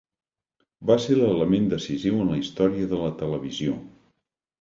Va ser l'element decisiu en la història de la televisió.